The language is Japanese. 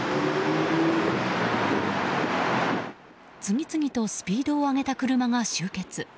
次々とスピードを上げた車が集結。